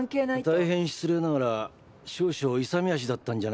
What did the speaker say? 大変失礼ながら少々勇み足だったんじゃないでしょうか。